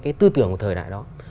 cái tư tưởng của thời đại đó